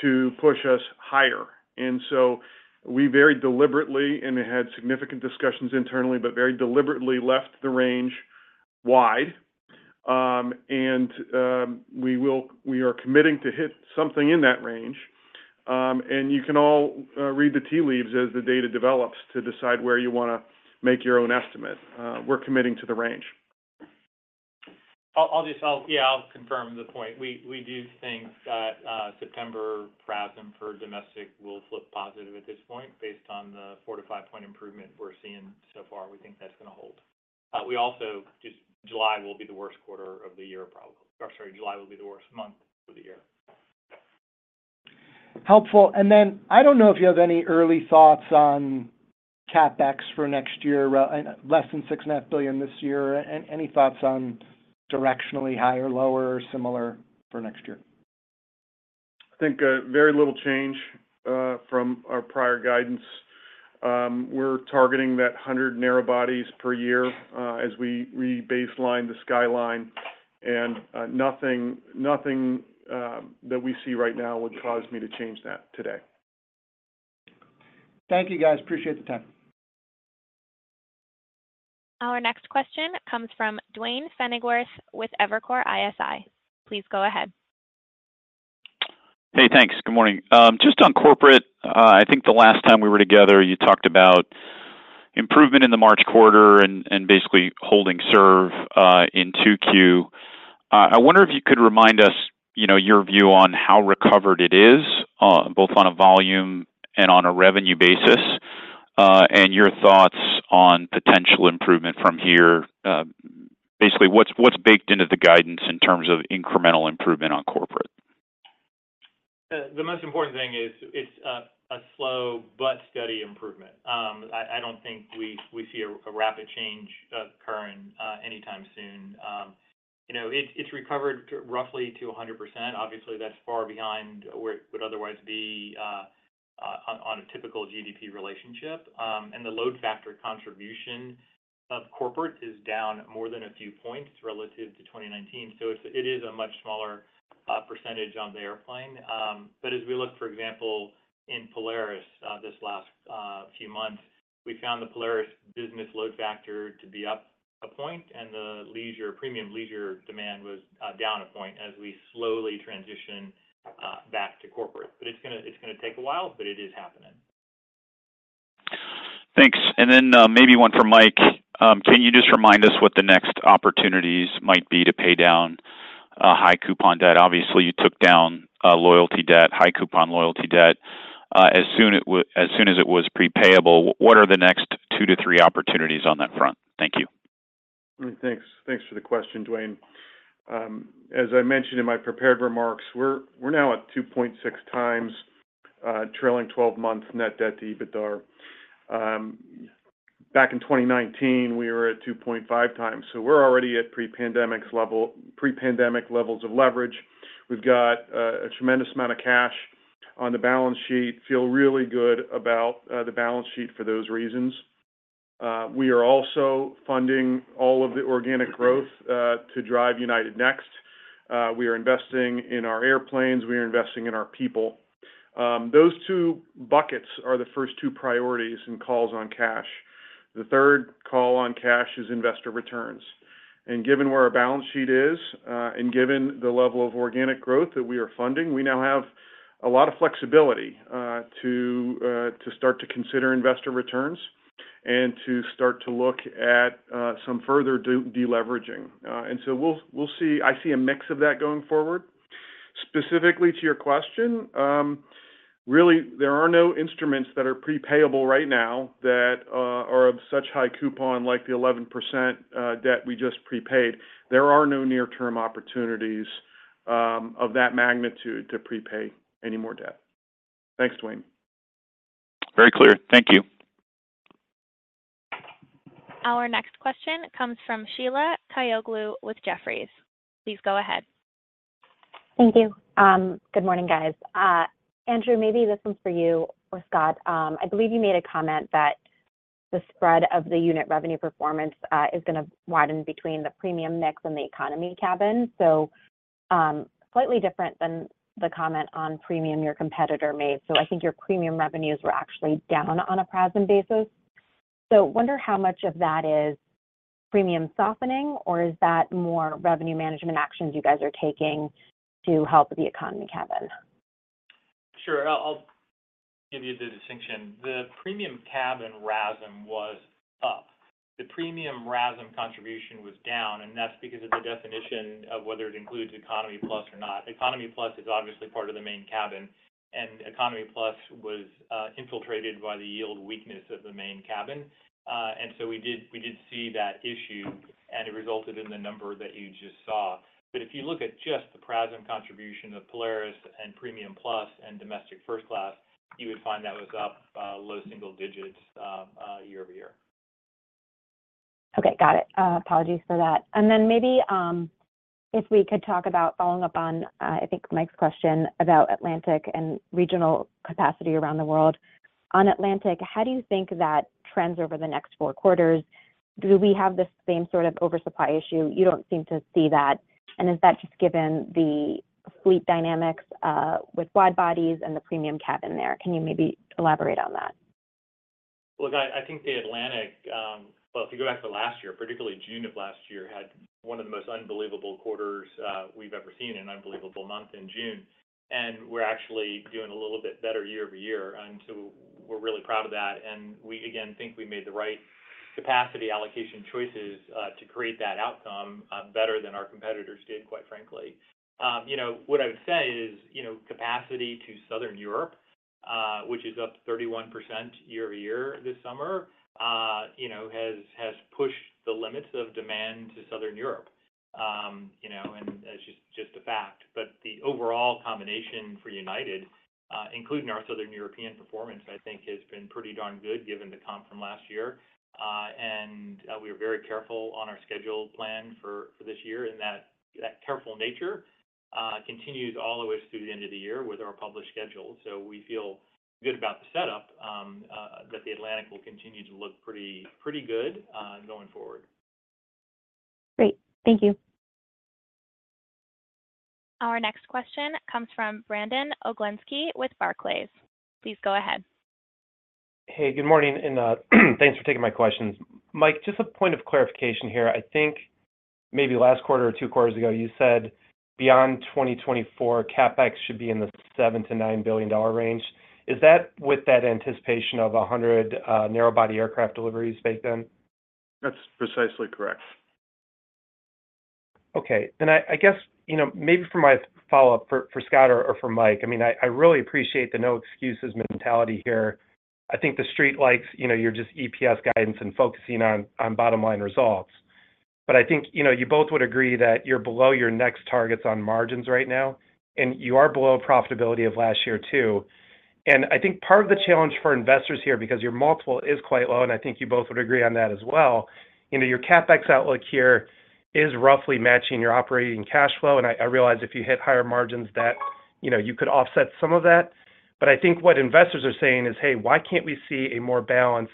to push us higher. And so we very deliberately, and had significant discussions internally, but very deliberately left the range wide. And we are committing to hit something in that range. And you can all read the tea leaves as the data develops to decide where you want to make your own estimate. We're committing to the range. Yeah, I'll confirm the point. We do think that September PRASM for domestic will flip positive at this point, based on the 4-5-point improvement we're seeing so far. We think that's going to hold. We also just—July will be the worst quarter of the year, probably. Or sorry, July will be the worst month of the year. Helpful. Then, I don't know if you have any early thoughts on CapEx for next year, and less than $6.5 billion this year. Any thoughts on directionally higher, lower, or similar for next year? I think very little change from our prior guidance. We're targeting that 100 narrow bodies per year, as we rebaseline the skyline, and nothing that we see right now would cause me to change that today. Thank you, guys. Appreciate the time. Our next question comes from Duane Pfennigwerth with Evercore ISI. Please go ahead. Hey, thanks. Good morning. Just on corporate, I think the last time we were together, you talked about improvement in the March quarter and basically holding serve in 2Q. I wonder if you could remind us, you know, your view on how recovered it is, both on a volume and on a revenue basis, and your thoughts on potential improvement from here. Basically, what's baked into the guidance in terms of incremental improvement on corporate? The most important thing is, it's a slow but steady improvement. I don't think we see a rapid change occurring anytime soon. You know, it's recovered roughly to 100%. Obviously, that's far behind where it would otherwise be on a typical GDP relationship. And the load factor contribution of corporate is down more than a few points relative to 2019, so it is a much smaller percentage on the airplane. But as we look, for example, in Polaris, this last few months, we found the Polaris business load factor to be up a point, and the premium leisure demand was down a point as we slowly transition back to corporate. But it's gonna take a while, but it is happening. Thanks. And then, maybe one for Mike. Can you just remind us what the next opportunities might be to pay down, high coupon debt? Obviously, you took down, loyalty debt, high coupon loyalty debt, as soon as it was prepayable. What are the next 2 to 3 opportunities on that front? Thank you. Thanks. Thanks for the question, Duane. As I mentioned in my prepared remarks, we're now at 2.6 times trailing twelve months net debt to EBITDA. Back in 2019, we were at 2.5 times, so we're already at pre-pandemics level - pre-pandemic levels of leverage. We've got a tremendous amount of cash on the balance sheet. Feel really good about the balance sheet for those reasons. We are also funding all of the organic growth to drive United Next. We are investing in our airplanes, we are investing in our people. Those two buckets are the first two priorities and calls on cash.... The third call on cash is investor returns. Given where our balance sheet is, and given the level of organic growth that we are funding, we now have a lot of flexibility to start to consider investor returns and to start to look at some further deleveraging. And so we'll see. I see a mix of that going forward. Specifically to your question, really, there are no instruments that are prepayable right now that are of such high coupon, like the 11% debt we just prepaid. There are no near-term opportunities of that magnitude to prepay any more debt. Thanks, Duane. Very clear. Thank you. Our next question comes from Sheila Kahyaoglu with Jefferies. Please go ahead. Thank you. Good morning, guys. Andrew, maybe this one's for you or Scott. I believe you made a comment that the spread of the unit revenue performance is gonna widen between the premium mix and the economy cabin. So, slightly different than the comment on premium your competitor made. So I think your premium revenues were actually down on a PRASM basis. So wonder how much of that is premium softening, or is that more revenue management actions you guys are taking to help the economy cabin? Sure. I'll give you the distinction. The premium cabin RASM was up. The premium RASM contribution was down, and that's because of the definition of whether it includes Economy Plus or not. Economy Plus is obviously part of the main cabin, and Economy Plus was infiltrated by the yield weakness of the main cabin. And so we did, we did see that issue, and it resulted in the number that you just saw. But if you look at just the PRASM contribution of Polaris and Premium Plus and Domestic First Class, you would find that was up low single digits year-over-year. Okay, got it. Apologies for that. And then maybe, if we could talk about following up on, I think Mike's question about Atlantic and regional capacity around the world. On Atlantic, how do you think that trends over the next four quarters? Do we have the same sort of oversupply issue? You don't seem to see that. And is that just given the fleet dynamics, with wide bodies and the premium cabin there? Can you maybe elaborate on that? Look, I think the Atlantic. Well, if you go back to last year, particularly June of last year, had one of the most unbelievable quarters we've ever seen, an unbelievable month in June, and we're actually doing a little bit better year-over-year, and so we're really proud of that. And we, again, think we made the right capacity allocation choices to create that outcome, better than our competitors did, quite frankly. You know, what I would say is, you know, capacity to Southern Europe, which is up 31% year-over-year this summer, you know, has pushed the limits of demand to Southern Europe. You know, and that's just a fact. But the overall combination for United, including our Southern European performance, I think, has been pretty darn good, given the comp from last year. And, we were very careful on our schedule plan for this year, and that careful nature continues all the way through the end of the year with our published schedule. So we feel good about the setup that the Atlantic will continue to look pretty, pretty good going forward. Great. Thank you. Our next question comes from Brandon Oglenski with Barclays. Please go ahead. Hey, good morning, and thanks for taking my questions. Mike, just a point of clarification here. I think maybe last quarter or two quarters ago, you said beyond 2024, CapEx should be in the $7 billion-$9 billion range. Is that with that anticipation of 100 narrow body aircraft deliveries baked in? That's precisely correct. Okay. Then I, I guess, you know, maybe for my follow-up for, for Scott or, or for Mike, I mean, I, I really appreciate the no-excuses mentality here. I think the Street likes, you know, your just EPS guidance and focusing on, on bottom-line results. But I think, you know, you both would agree that you're below your next targets on margins right now, and you are below profitability of last year, too. And I think part of the challenge for investors here, because your multiple is quite low, and I think you both would agree on that as well, you know, your CapEx outlook here is roughly matching your operating cash flow. And I, I realize if you hit higher margins that, you know, you could offset some of that. But I think what investors are saying is, "Hey, why can't we see a more balanced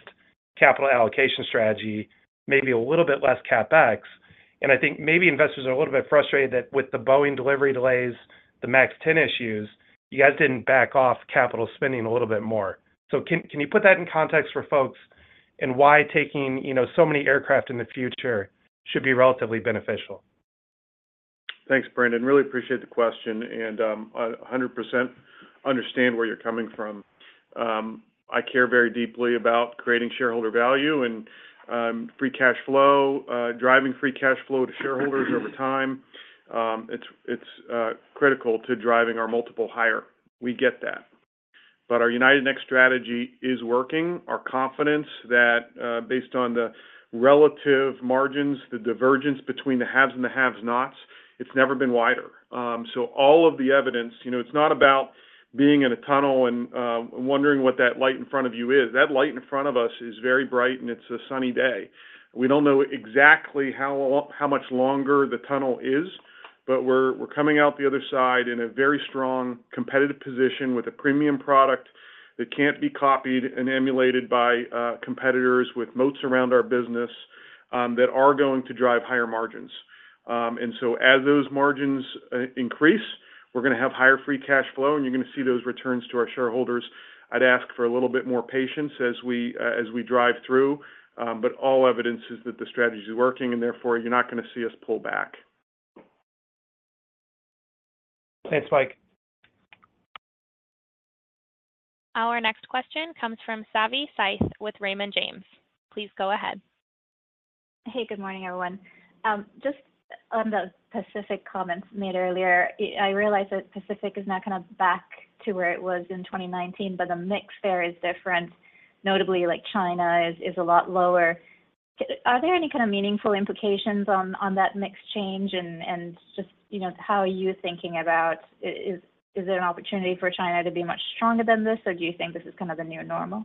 capital allocation strategy, maybe a little bit less CapEx?" And I think maybe investors are a little bit frustrated that with the Boeing delivery delays, the MAX 10 issues, you guys didn't back off capital spending a little bit more. So can you put that in context for folks, and why taking, you know, so many aircraft in the future should be relatively beneficial? Thanks, Brandon. Really appreciate the question, and I 100% understand where you're coming from. I care very deeply about creating shareholder value and free cash flow, driving free cash flow to shareholders over time. It's critical to driving our multiple higher. We get that. But our United Next strategy is working. Our confidence that, based on the relative margins, the divergence between the haves and the have-nots, it's never been wider. So all of the evidence, you know, it's not about being in a tunnel and wondering what that light in front of you is. That light in front of us is very bright, and it's a sunny day. We don't know exactly how long how much longer the tunnel is, but we're coming out the other side in a very strong competitive position, with a premium product that can't be copied and emulated by competitors with moats around our business that are going to drive higher margins. And so as those margins increase, we're gonna have higher free cash flow, and you're gonna see those returns to our shareholders. I'd ask for a little bit more patience as we drive through, but all evidence is that the strategy is working, and therefore, you're not gonna see us pull back. Thanks, Mike. Our next question comes from Savi Syth with Raymond James. Please go ahead. Hey, good morning, everyone. Just on the Pacific comments made earlier, I realize that Pacific is not kind of back to where it was in 2019, but the mix there is different. Notably, like China is, is a lot lower. Are there any kind of meaningful implications on, on that mix change, and, and just, you know, how are you thinking about is, is there an opportunity for China to be much stronger than this, or do you think this is kind of the new normal?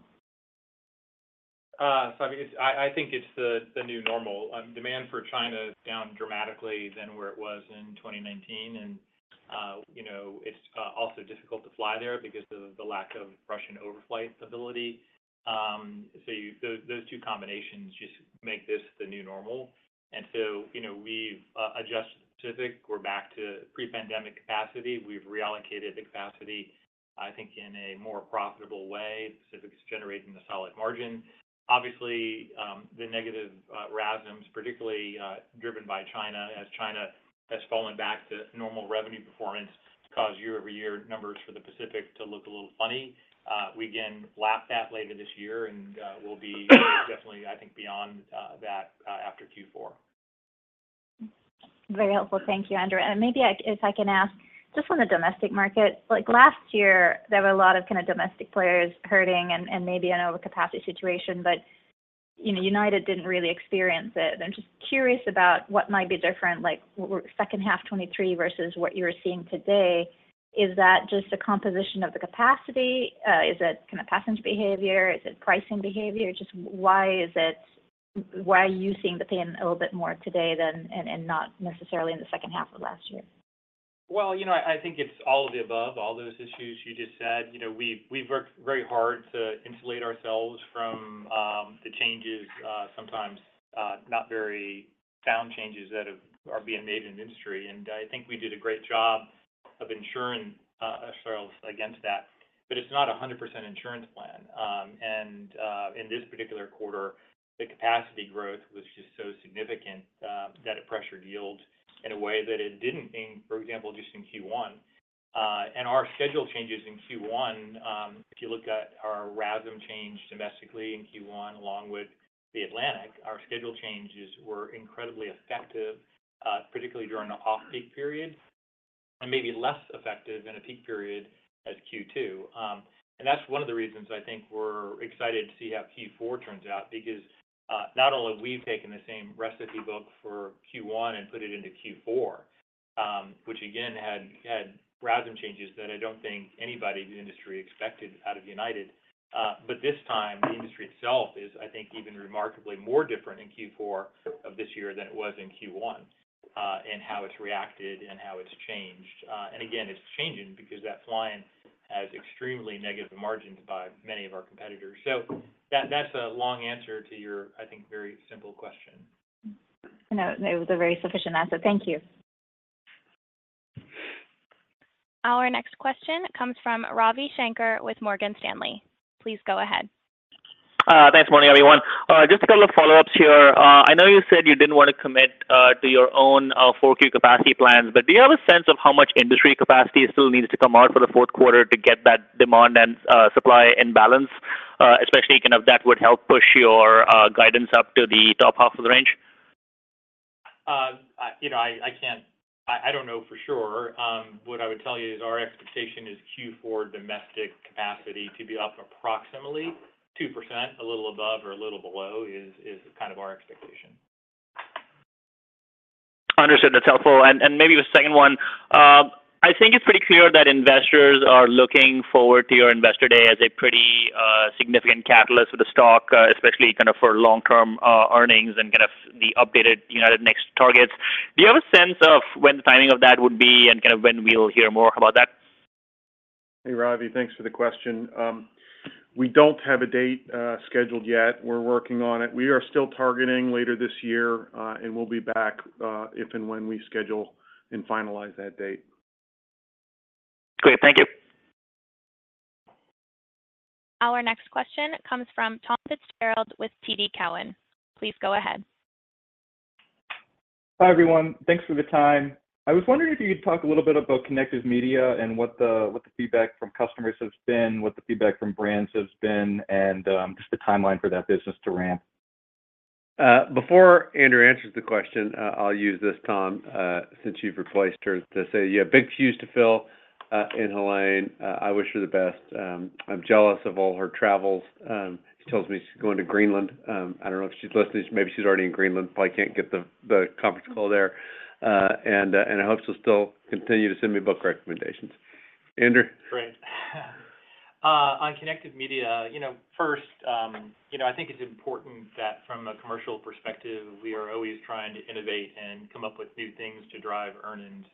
Savi, I think it's the new normal. Demand for China is down dramatically than where it was in 2019, and, you know, it's also difficult to fly there because of the lack of Russian overflight ability. So those two combinations just make this the new normal. And so, you know, we've adjusted. Pacific, we're back to pre-pandemic capacity. We've reallocated the capacity, I think, in a more profitable way. Pacific is generating a solid margin. Obviously, the negative RASMs, particularly driven by China, as China has fallen back to normal revenue performance, has caused year-over-year numbers for the Pacific to look a little funny. We again lap that later this year, and we'll be definitely, I think, beyond that after Q4. Very helpful. Thank you, Andrew. And maybe I—if I can ask, just on the domestic market, like, last year, there were a lot of kind of domestic players hurting and, and maybe in an overcapacity situation, but, you know, United didn't really experience it. I'm just curious about what might be different, like, second half 2023 versus what you're seeing today. Is that just a composition of the capacity? Is it kind of passenger behavior? Is it pricing behavior? Just why is it... Why are you seeing the pain a little bit more today than—and not necessarily in the second half of last year? Well, you know, I think it's all of the above, all those issues you just said. You know, we've worked very hard to insulate ourselves from the changes, sometimes not very sound changes that are being made in the industry. And I think we did a great job of insuring ourselves against that, but it's not a 100% insurance plan. And in this particular quarter, the capacity growth was just so significant that it pressured yield in a way that it didn't in, for example, just in Q1. And our schedule changes in Q1, if you look at our RASM change domestically in Q1, along with the Atlantic, our schedule changes were incredibly effective, particularly during the off-peak period, and maybe less effective in a peak period as Q2. That's one of the reasons I think we're excited to see how Q4 turns out, because not only have we taken the same recipe book for Q1 and put it into Q4, which again had RASM changes that I don't think anybody in the industry expected out of United. This time, the industry itself is, I think, even remarkably more different in Q4 of this year than it was in Q1, in how it's reacted and how it's changed. It's changing because that flying has extremely negative margins by many of our competitors. That's a long answer to your, I think, very simple question. No, it was a very sufficient answer. Thank you. Our next question comes from Ravi Shanker with Morgan Stanley. Please go ahead. Thanks, morning, everyone. Just a couple of follow-ups here. I know you said you didn't want to commit to your own 4Q capacity plans, but do you have a sense of how much industry capacity still needs to come out for the fourth quarter to get that demand and supply in balance, especially kind of that would help push your guidance up to the top half of the range? You know, I can't—I don't know for sure. What I would tell you is our expectation is Q4 domestic capacity to be up approximately 2%, a little above or a little below is kind of our expectation. Understood. That's helpful. And maybe the second one. I think it's pretty clear that investors are looking forward to your Investor Day as a pretty significant catalyst for the stock, especially kind of for long-term earnings and kind of the updated United Next targets. Do you have a sense of when the timing of that would be and kind of when we'll hear more about that? Hey, Ravi, thanks for the question. We don't have a date scheduled yet. We're working on it. We are still targeting later this year, and we'll be back if and when we schedule and finalize that date. Great. Thank you. Our next question comes from Tom Fitzgerald with TD Cowen. Please go ahead. Hi, everyone. Thanks for the time. I was wondering if you could talk a little bit about Kinective Media and what the, what the feedback from customers has been, what the feedback from brands has been, and just the timeline for that business to ramp. Before Andrew answers the question, I'll use this, Tom, since you've replaced her, to say you have big shoes to fill in Helane. I wish her the best. I'm jealous of all her travels. She tells me she's going to Greenland. I don't know if she's listening. Maybe she's already in Greenland, probably can't get the conference call there. I hope she'll still continue to send me book recommendations. Andrew? Great. You know, first, I think it's important that from a commercial perspective, we are trying to innovate and come up with new things to drive earnings.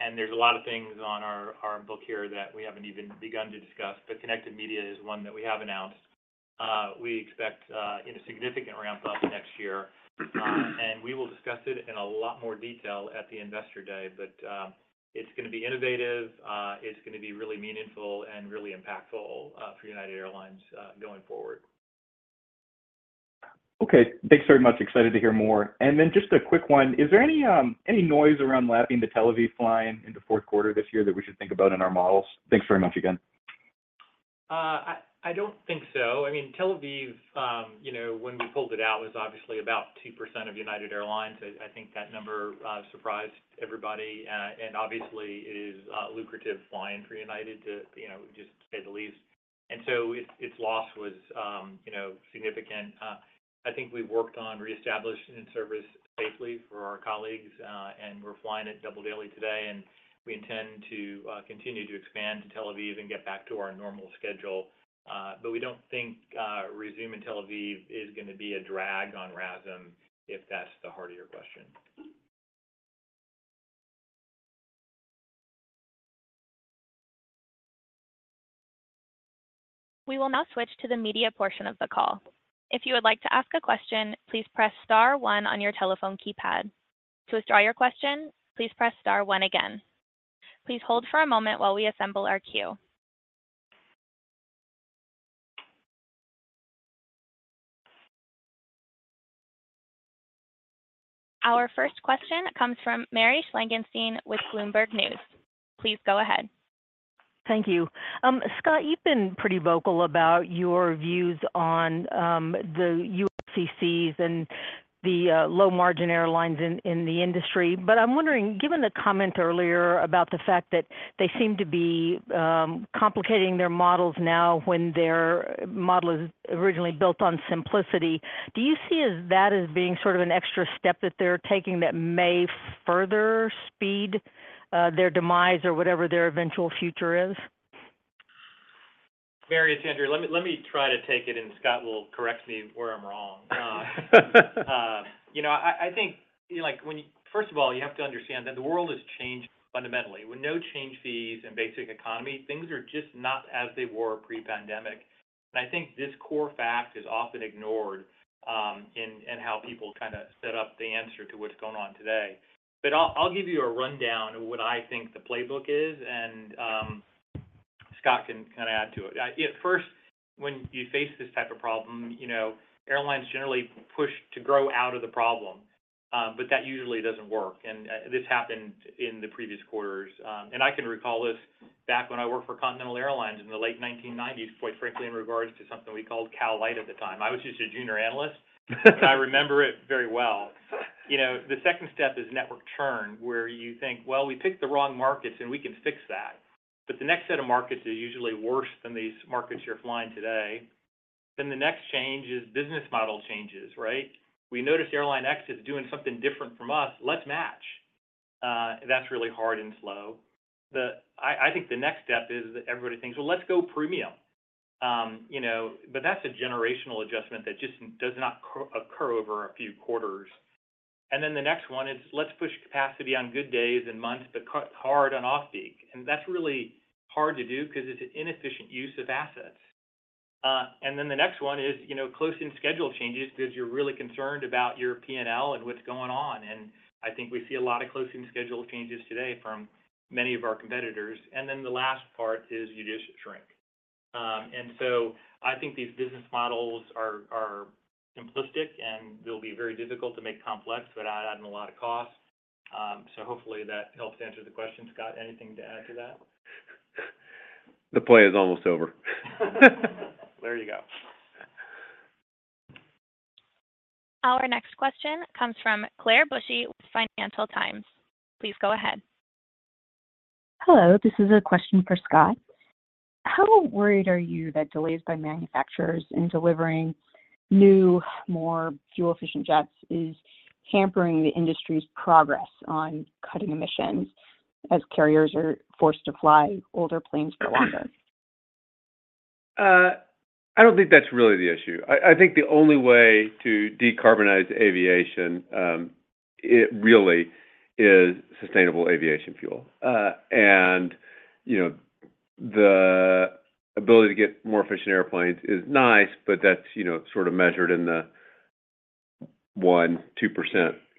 And there's a lot of things on our book here that we haven't even begun to discuss, but Kinective Media is one that we have announced. We expect a significant ramp up next year, and we will discuss it in a lot more detail at the Investor Day. But it's gonna be innovative, it's gonna be really meaningful and really impactful for United Airlines going forward. Okay. Thanks very much. Excited to hear more. And then just a quick one: Is there any, any noise around lapping the Tel Aviv flying into fourth quarter this year that we should think about in our models? Thanks very much again. I don't think so. I mean, Tel Aviv, you know, when we pulled it out, was obviously about 2% of United Airlines. I think that number surprised everybody, and obviously is lucrative flying for United to, you know, just to say the least. And so its loss was, you know, significant. I think we've worked on reestablishing service safely for our colleagues, and we're flying it double daily today, and we intend to continue to expand to Tel Aviv and get back to our normal schedule. But we don't think resuming Tel Aviv is gonna be a drag on RASM, if that's the heart of your question. We will now switch to the media portion of the call. If you would like to ask a question, please press star one on your telephone keypad. To withdraw your question, please press star one again. Please hold for a moment while we assemble our queue. Our first question comes from Mary Schlangenstein with Bloomberg News. Please go ahead. Thank you. Scott, you've been pretty vocal about your views on the ULCCs and the low-margin airlines in the industry. But I'm wondering, given the comment earlier about the fact that they seem to be complicating their models now, when their model is originally built on simplicity, do you see that as being sort of an extra step that they're taking that may further speed their demise or whatever their eventual future is? Mary, it's Andrew. Let me try to take it, and Scott will correct me where I'm wrong. You know, I think, like, when you, first of all, you have to understand that the world has changed fundamentally. With no change fees and Basic Economy, things are just not as they were pre-pandemic. I think this core fact is often ignored, in how people kinda set up the answer to what's going on today. I'll give you a rundown of what I think the playbook is, and Scott can kind of add to it. At first, when you face this type of problem, you know, airlines generally push to grow out of the problem, but that usually doesn't work, and this happened in the previous quarters. I can recall this back when I worked for Continental Airlines in the late 1990s, quite frankly, in regards to something we called CALite at the time. I was just a junior analyst, but I remember it very well. You know, the second step is network churn, where you think: "Well, we picked the wrong markets, and we can fix that." But the next set of markets are usually worse than these markets you're flying today. Then the next change is business model changes, right? We noticed Airline X is doing something different from us. Let's match. That's really hard and slow. I think the next step is that everybody thinks, "Well, let's go premium," you know, but that's a generational adjustment that just does not occur over a few quarters. And then the next one is, let's push capacity on good days and months, but cut hard on off-peak. And that's really hard to do because it's an inefficient use of assets. And then the next one is, you know, closing schedule changes because you're really concerned about your P&L and what's going on, and I think we see a lot of closing schedule changes today from many of our competitors. And then the last part is you just shrink. And so I think these business models are, are simplistic, and they'll be very difficult to make complex without adding a lot of cost. So hopefully that helps answer the question. Scott, anything to add to that? The play is almost over. There you go. Our next question comes from Claire Bushey, Financial Times. Please go ahead. Hello, this is a question for Scott. How worried are you that delays by manufacturers in delivering new, more fuel-efficient jets is hampering the industry's progress on cutting emissions as carriers are forced to fly older planes for longer? I don't think that's really the issue. I think the only way to decarbonize aviation, it really is sustainable aviation fuel. And, you know, the ability to get more efficient airplanes is nice, but that's, you know, sort of measured in the 1-2%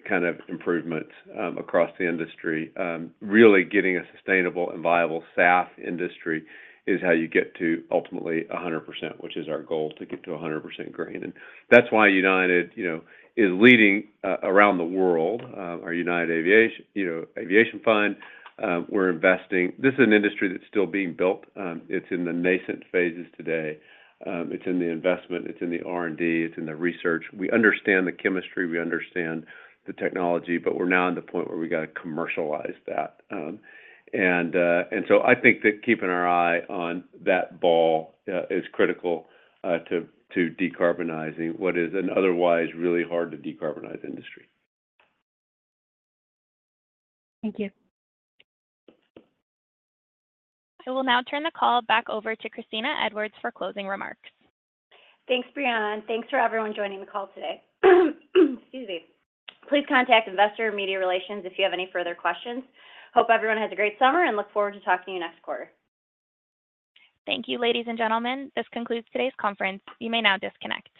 kind of improvements across the industry. Really, getting a sustainable and viable SAF industry is how you get to ultimately 100%, which is our goal, to get to 100% SAF. And that's why United, you know, is leading around the world. Our United Aviation Fuel Fund, you know, we're investing. This is an industry that's still being built. It's in the nascent phases today. It's in the investment, it's in the R&D, it's in the research. We understand the chemistry, we understand the technology, but we're now in the point where we got to commercialize that. I think that keeping our eye on that ball is critical to decarbonizing what is an otherwise really hard to decarbonize industry. Thank you. I will now turn the call back over to Kristina Edwards for closing remarks. Thanks, Brianna. Thanks for everyone joining the call today. Excuse me. Please contact Investor or Media Relations if you have any further questions. Hope everyone has a great summer and look forward to talking to you next quarter. Thank you, ladies and gentlemen. This concludes today's conference. You may now disconnect.